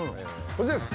こちらです